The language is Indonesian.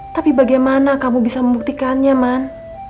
tapi bagaimana kamu bisa membuktikannya man